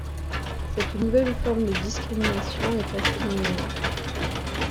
Cette nouvelle forme de discrimination est passée dans les mœurs.